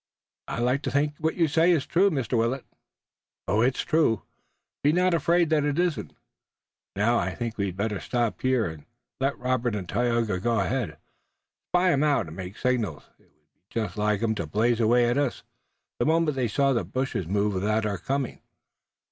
"I like to think what you say is true, Mr. Willet." "It's true. Be not afraid that it isn't. Now, I think we'd better stop here, and let Robert and Tayoga go ahead, spy 'em out and make signals. It would be just like 'em to blaze away at us the moment they saw the bushes move with our coming."